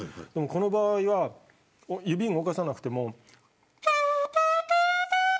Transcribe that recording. この場合は指を動かさなくても。